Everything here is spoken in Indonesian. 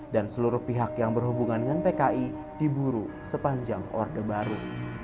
dan seluruh pihak yang berhubungan dengan pki diburu sepanjang orde baru